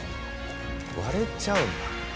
割れちゃうんだ。